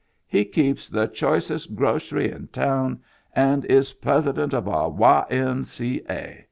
He keeps the choicest grocery in town and is president of our Y. M. C. A.